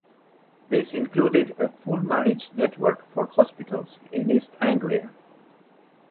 This included a full managed network for hospitals in East Anglia.